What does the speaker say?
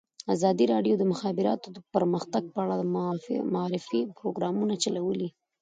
ازادي راډیو د د مخابراتو پرمختګ په اړه د معارفې پروګرامونه چلولي.